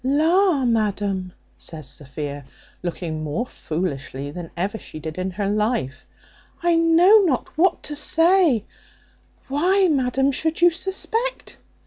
"La, madam," says Sophia, looking more foolishly than ever she did in her life, "I know not what to say why, madam, should you suspect?"